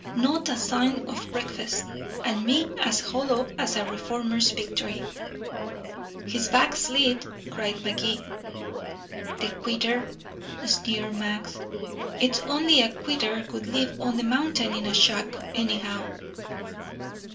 Not a sign of breakfast, and me as hollow as a reformer's victory." "He's backslid," cried Magee. "The quitter," sneered Max. "It's only a quitter would live on the mountain in a shack, anyhow."